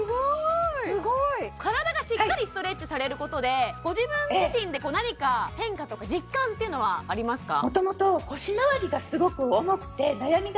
すごい体がしっかりストレッチされることでご自分自身で何か変化とか実感っていうのはありますか？